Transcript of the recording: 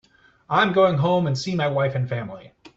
I'm going home and see my wife and family.